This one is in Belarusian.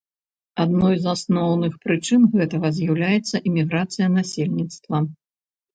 Адной з асноўных прычын гэтага з'яўляецца эміграцыя насельніцтва.